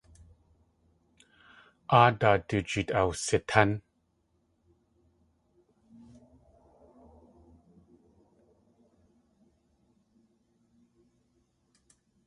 Áadaa du jeet awsitán.